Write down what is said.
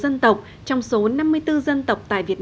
vẫn đang từng ngày thách thức với thời gian